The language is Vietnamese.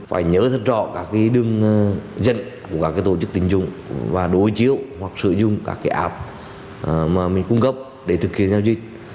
phải nhớ rất rõ cả cái đường dẫn của cả cái tổ chức tình dung và đối chiếu hoặc sử dụng các cái app mà mình cung cấp để thực hiện giao dịch